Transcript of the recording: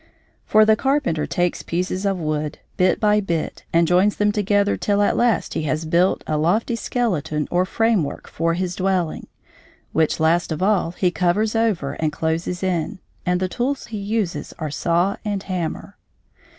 For the carpenter takes pieces of wood, bit by bit, and joins them together till at last he has built a lofty skeleton or framework for his dwelling, which last of all he covers over and closes in; and the tools he uses are saw and hammer.